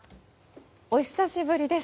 お久しぶりです！